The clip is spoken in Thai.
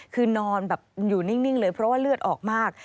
คือนอนแบบอยู่นิ่งเลยเพราะว่าเลือดออกมาก